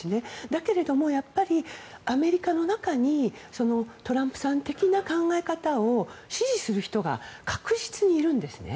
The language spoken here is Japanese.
だけれども、やっぱりアメリカの中にトランプさん的な考えを支持する人が確実にいるんですね。